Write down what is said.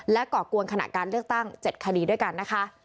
ก่อกวนขณะการเลือกตั้ง๗คดีด้วยกันนะคะ